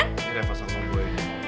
ini refah sama gue